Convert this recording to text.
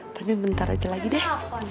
tapi bentar aja lagi deh